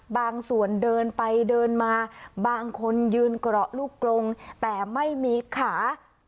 บางส่วนเดินไปเดินมาบางคนยืนเกราะลูกกลงแต่ไม่มีขา